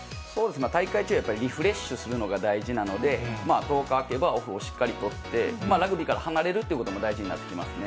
大会中はやっぱりリフレッシュするのが大事なので、１０日空けば、オフをしっかり取って、ラグビーから離れるということも大事になってきますね。